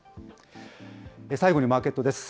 最後にマーケットです。